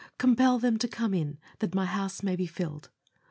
Compel them to come in, that my house may be filled.